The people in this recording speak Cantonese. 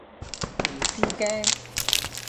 唔知驚？